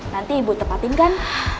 nanti ibu tepatin kan